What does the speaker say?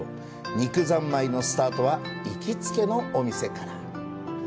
肉三昧のスタートは行きつけのお店から。